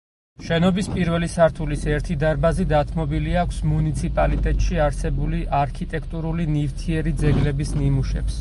შენობის პირველი სართულის ერთი დარბაზი დათმობილი აქვს მუნიციპალიტეტში არსებული არქიტექტურული ნივთიერი ძეგლების ნიმუშებს.